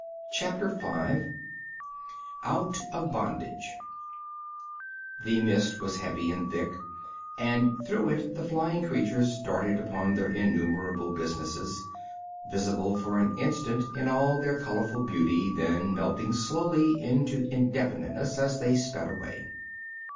CHAPTER V Out of Bondage The mist was heavy and thick, and through it the flying creatures darted upon their innumerable businesses, visible for an instant in all their colorful beauty, then melting slowly into indefiniteness as they sped away.